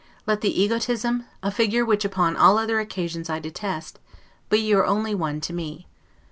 Let the egotism, a figure which upon all other occasions I detest, be your only one to me.